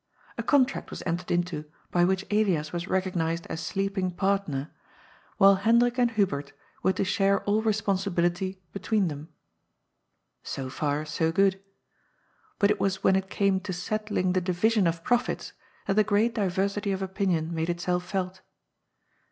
A contract was entered into by which Elias was recognised as sleeping partner, while Hen COMPOS MENTia 143 drik and Hubert were to share aU responBibility between them. So far, so good. But it was when it came to settling the division of profits that the great diversity of opinion made itself felt.